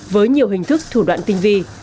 với nhiều hình thức thủ đoạn tinh vi